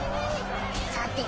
さて。